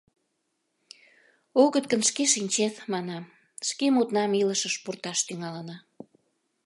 — Огыт гын, шке шинчет, — манам, — шке мутнам илышыш пурташ тӱҥалына